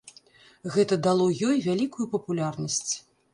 Гэта дало ёй вялікую папулярнасць.